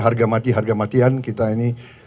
harga mati harga matian kita ini